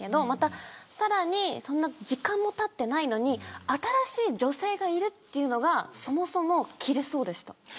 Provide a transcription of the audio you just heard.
また、さらにそんな時間もたってないのに新しい女性がいるというのがそもそも、きれそうでした。